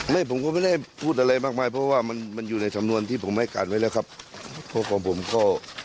ผมก็ไม่ได้พูดอะไรมากมายเพราะว่ามันมันอยู่ในสำนวนที่ผมให้การไว้แล้วครับเพราะของผมก็